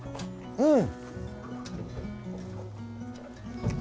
うん。